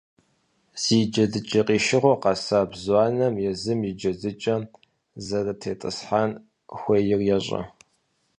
Зи джэдыкӀэ къишыгъуэр къэса бзу анэм езым и джэдыкӀэм зэрытетӀысхьэн хуейр ещӀэ.